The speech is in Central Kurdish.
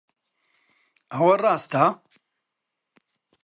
ئەوە ڕاستە؟